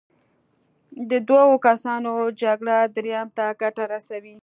د دوو کسانو جګړه دریم ته ګټه رسوي.